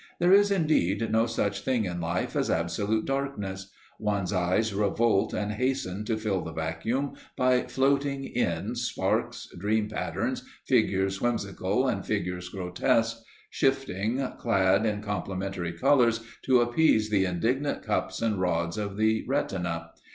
There is, indeed, no such thing in life as absolute darkness; one's eyes revolt and hasten to fill the vacuum by floating in sparks, dream patterns, figures whimsical and figures grotesque, shifting, clad in complimentary colors, to appease the indignant cups and rods of the retina.